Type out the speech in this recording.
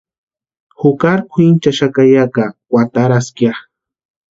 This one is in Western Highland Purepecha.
Jukarini kwʼinchaxaka ya ka kwataraska ya.